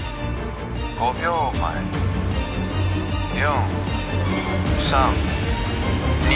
５秒前４３２